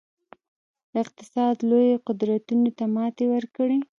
افغانستان لویو قدرتونو ته ماتې ورکړي